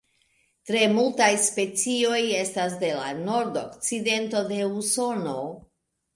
Tre multaj specioj estas de la nordokcidento de Usono.